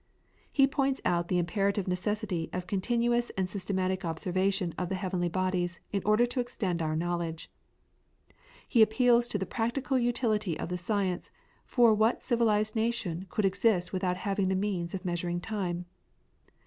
He points out the imperative necessity of continuous and systematic observation of the heavenly bodies in order to extend our knowledge. He appeals to the practical utility of the science, for what civilised nation could exist without having the means of measuring time?